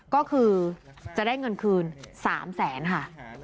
ก็คือจะได้เงินคืน๓แสนค่ะ